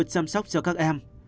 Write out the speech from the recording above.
chăm sóc cho các em